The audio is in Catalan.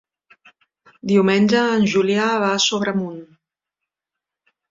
Diumenge en Julià va a Sobremunt.